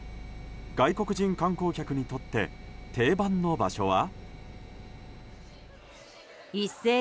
外国人観光客にとって定番の場所は。